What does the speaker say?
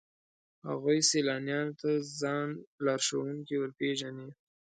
هغوی سیلانیانو ته ځان لارښوونکي ورپېژني.